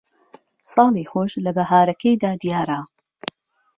ساڵی خۆش لە بەھارەکەیدا دیارە